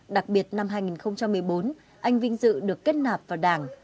đặc biệt năm hai nghìn một mươi bốn anh vinh dự được kết nạp vào đảng